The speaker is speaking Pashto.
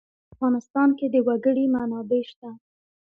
په افغانستان کې د وګړي منابع شته.